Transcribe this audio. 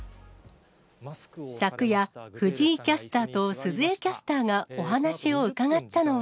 昨夜、藤井キャスターと鈴江キャスターがお話を伺ったのは。